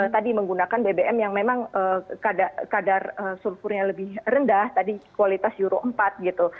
tadi menggunakan bbm yang memang kadar sulfurnya lebih rendah tadi kualitas euro empat gitu